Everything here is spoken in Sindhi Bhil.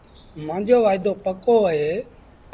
مآݩجو وآئيٚدوپڪو اهي